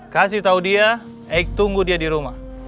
kasih tahu dia eik tunggu dia di rumah